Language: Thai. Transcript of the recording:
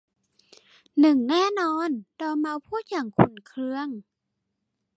หนึ่งแน่นอน ! 'ดอร์เม้าส์พูดอย่างขุ่นเคือง